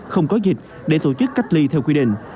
không có dịch để tổ chức cách ly theo quy định